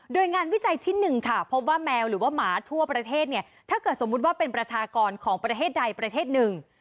โดยงานวิจัยชิ้นหนึ่งค่ะพบว่าแมวหรือว่าหมาทั่วประเทศเนี่ยถ้าเกิดสมมุติว่าเป็นประชากรของประเทศใดประเทศหนึ่ง